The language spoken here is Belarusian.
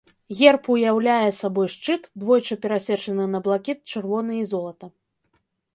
Герб уяўляе сабой шчыт, двойчы перасечаны на блакіт, чырвоны і золата.